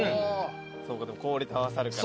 そうか氷と合わさるから。